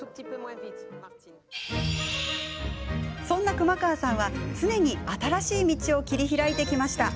そんな熊川さんは常に新しい道を切り開いてきました。